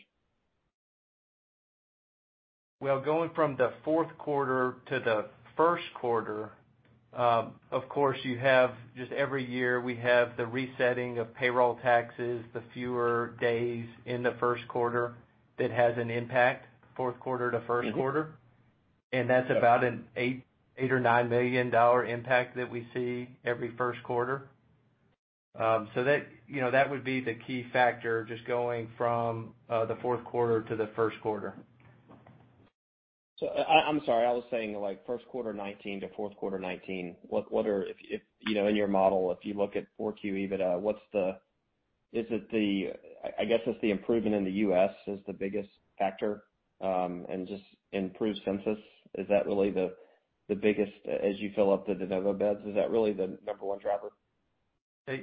Speaker 4: Going from the fourth quarter to the first quarter, of course, you have just every year, we have the resetting of payroll taxes, the fewer days in the first quarter that has an impact, fourth quarter to first quarter.
Speaker 8: Yeah.
Speaker 4: That's about an $8 million or $9 million impact that we see every first quarter. That would be the key factor, just going from the fourth quarter to the first quarter.
Speaker 8: I'm sorry. I was saying first quarter 2019 to fourth quarter 2019. In your model, if you look at 4Q EBITDA, I guess it's the improvement in the U.S. is the biggest factor, and just improved census. Is that really the biggest as you fill up the de novo beds? Is that really the number one driver?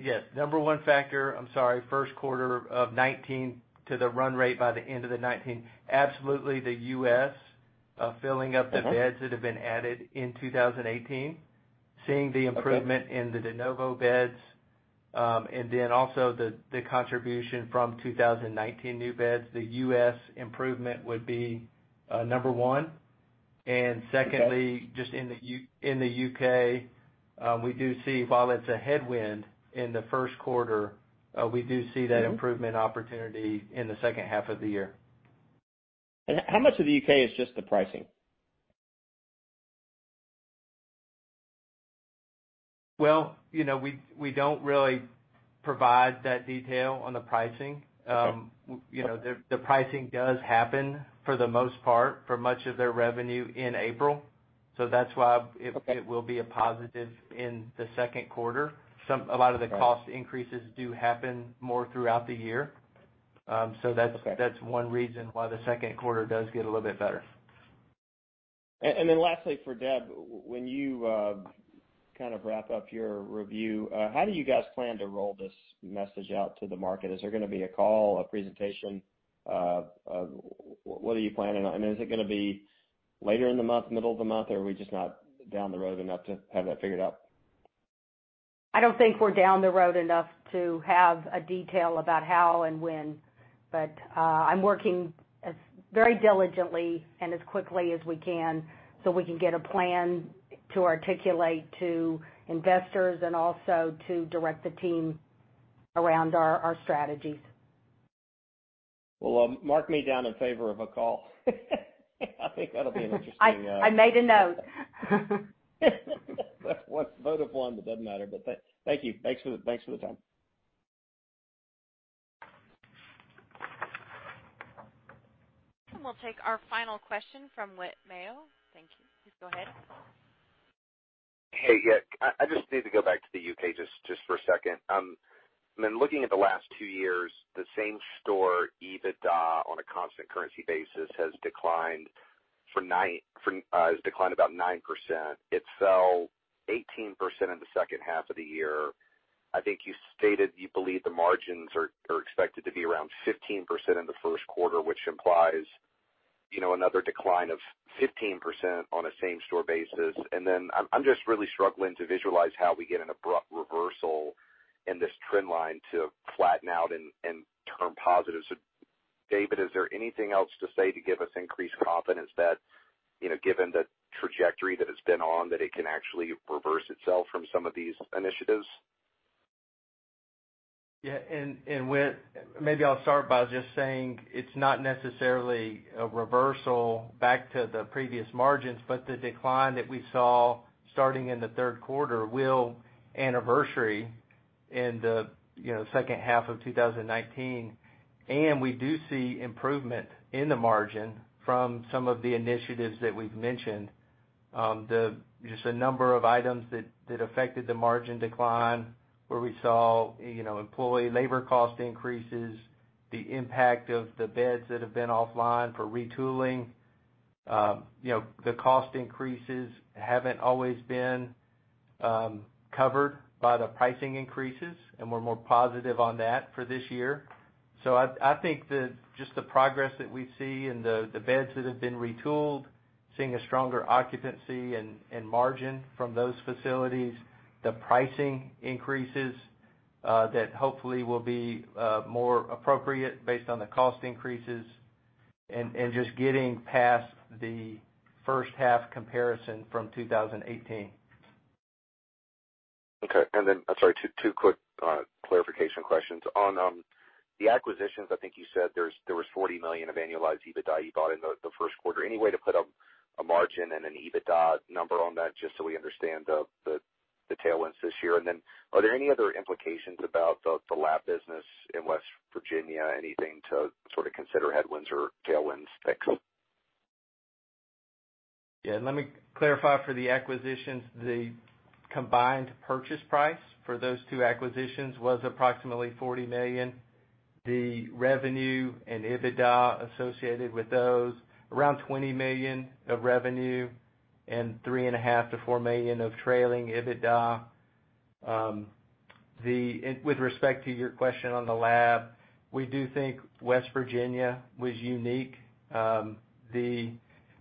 Speaker 4: Yes. Number one factor, I'm sorry, first quarter of 2019 to the run rate by the end of the 2019, absolutely the U.S. filling up the beds that have been added in 2018.
Speaker 8: Okay.
Speaker 4: Seeing the improvement in the de novo beds, and then also the contribution from 2019 new beds. The U.S. improvement would be number one.
Speaker 8: Okay.
Speaker 4: secondly, just in the U.K., while it's a headwind in the first quarter, we do see that improvement opportunity in the second half of the year.
Speaker 8: How much of the U.K. is just the pricing?
Speaker 4: Well, we don't really provide that detail on the pricing.
Speaker 8: Okay.
Speaker 4: The pricing does happen, for the most part, for much of their revenue in April.
Speaker 8: Okay
Speaker 4: will be a positive in the second quarter.
Speaker 8: All right.
Speaker 4: A lot of the cost increases do happen more throughout the year.
Speaker 8: Okay.
Speaker 4: That's one reason why the second quarter does get a little bit better.
Speaker 8: Lastly, for Deb, when you wrap up your review, how do you guys plan to roll this message out to the market? Is there gonna be a call, a presentation? What are you planning on? Is it gonna be later in the month, middle of the month, or are we just not down the road enough to have that figured out?
Speaker 3: I don't think we're down the road enough to have a detail about how and when. I'm working as very diligently and as quickly as we can so we can get a plan to articulate to investors and also to direct the team around our strategies.
Speaker 8: Well, mark me down in favor of a call. I think that'll be an interesting.
Speaker 3: I made a note.
Speaker 8: One vote of one, but doesn't matter. Thank you. Thanks for the time.
Speaker 1: We'll take our final question from Whit Mayo. Thank you. Please go ahead.
Speaker 10: Hey. Yeah. I just need to go back to the U.K. just for a second. I mean, looking at the last two years, the same-store EBITDA on a constant currency basis has declined about 9%. It fell 18% in the second half of the year. I think you stated you believe the margins are expected to be around 15% in the first quarter, which implies another decline of 15% on a same-store basis. I'm just really struggling to visualize how we get an abrupt reversal in this trend line to flatten out and turn positive. David, is there anything else to say to give us increased confidence that, given the trajectory that it's been on, that it can actually reverse itself from some of these initiatives?
Speaker 4: Yeah. Maybe I'll start by just saying it's not necessarily a reversal back to the previous margins, but the decline that we saw starting in the third quarter will anniversary in the second half of 2019. We do see improvement in the margin from some of the initiatives that we've mentioned. Just a number of items that affected the margin decline, where we saw employee labor cost increases, the impact of the beds that have been offline for retooling. The cost increases haven't always been covered by the pricing increases, and we're more positive on that for this year. I think just the progress that we see in the beds that have been retooled, seeing a stronger occupancy and margin from those facilities, the pricing increases that hopefully will be more appropriate based on the cost increases, and just getting past the first half comparison from 2018.
Speaker 10: Okay. I'm sorry, two quick clarification questions. On the acquisitions, I think you said there was $40 million of annualized EBITDA you bought in the first quarter. Any way to put a margin and an EBITDA number on that, just so we understand the tailwinds this year? Are there any other implications about the lab business in West Virginia? Anything to sort of consider headwinds or tailwinds? Thanks.
Speaker 4: Yeah. Let me clarify for the acquisitions, the combined purchase price for those two acquisitions was approximately $40 million. The revenue and EBITDA associated with those, around $20 million of revenue and three and a half to four million of trailing EBITDA. With respect to your question on the lab, we do think West Virginia was unique.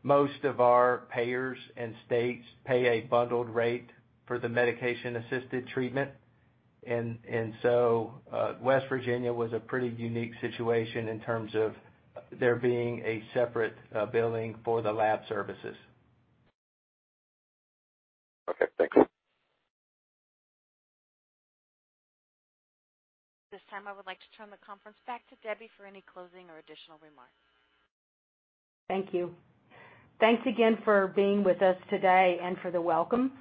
Speaker 4: Most of our payers and states pay a bundled rate for the medication-assisted treatment. West Virginia was a pretty unique situation in terms of there being a separate billing for the lab services.
Speaker 10: Okay, thanks.
Speaker 1: This time, I would like to turn the conference back to Debbie for any closing or additional remarks.
Speaker 3: Thank you. Thanks again for being with us today and for the welcome.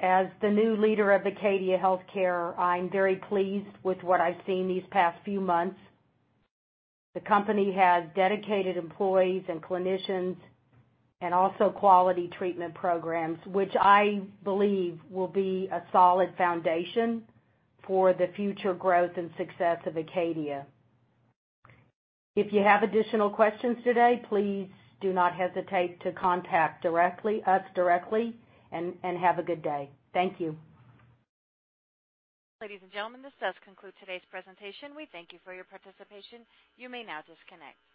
Speaker 3: As the new leader of Acadia Healthcare, I'm very pleased with what I've seen these past few months. The company has dedicated employees and clinicians and also quality treatment programs, which I believe will be a solid foundation for the future growth and success of Acadia. If you have additional questions today, please do not hesitate to contact us directly, and have a good day. Thank you.
Speaker 1: Ladies and gentlemen, this does conclude today's presentation. We thank you for your participation. You may now disconnect.